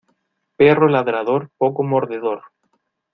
Perro ladrador poco mordedor.